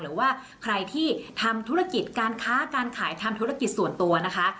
หรือว่าใครที่ทำธุรกิจการค้าการขายทำธุรกิจส่วนตัวนะคะ